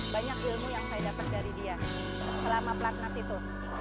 banyak ilmu yang saya dapat dari dia selama pelatnas itu